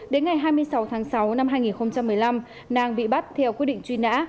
đến ngày hai mươi sáu tháng sáu năm hai nghìn một mươi năm nang bị bắt theo quyết định truy nã